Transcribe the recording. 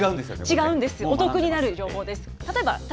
違うんです、お得になる情報です。